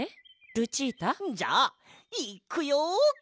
ルチータ？じゃあいっくよ！